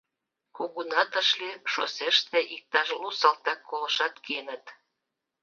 Кугунат ыш лий, шоссеште иктаж лу салтак колышат киеныт.